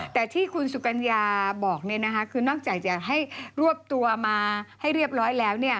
แต่ที่คุณสุกัญญาบอกคือนอกจากจะให้รวบตัวมาให้เรียบร้อยแล้ว